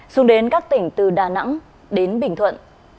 xuống đến các tỉnh từ đà nẵng đến bình thuận